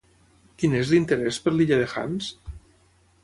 Quin és l'interès per l'Illa de Hans?